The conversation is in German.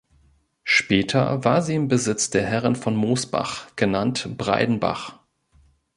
Später war sie im Besitz der Herren von Mosbach, genannt Breidenbach.